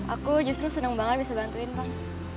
aku justru senang banget bisa bantuin bang